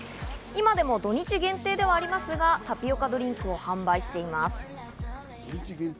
今でも土日限定ではありますが、タピオカドリンクを販売しています。